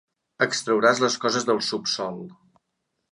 Extrauràs les coses del subsòl.